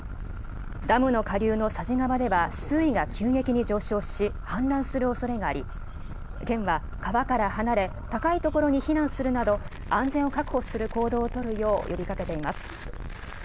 ダムの下流の佐治川では、水位が急激に上昇し、氾濫するおそれがあり、県は川から離れ、高い所に避難するなど、安全を確保する行動を取るよう呼びかけています。